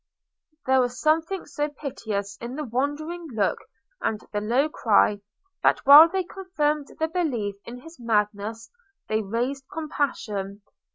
There was something so piteous in the wandering look and the low cry, that while they confirmed the belief in his madness they raised compassion.